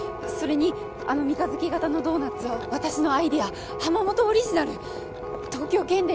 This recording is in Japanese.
それにあの三日月形のドーナツは私のアイデア浜本オリジナル東京建